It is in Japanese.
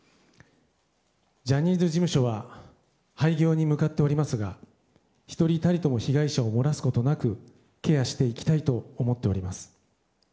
ジャニーズ事務所は廃業に向かっておりますが１人たりとも被害者をもらすことなくケアしていきたいと思っております。